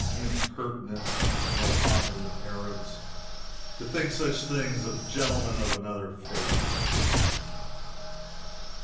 Impertinent Mohammedan Arabs, to think such things of gentlemen of another faith!